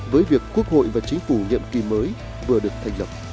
với việc quốc hội và chính phủ nhiệm kỳ mới vừa được thành lập